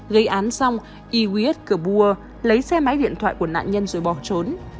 gây án xong iwis kabua lấy xe máy điện thoại của nạn nhân rồi bỏ trốn